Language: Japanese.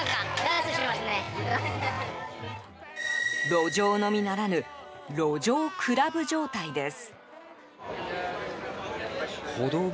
路上飲みならぬ路上クラブ状態です。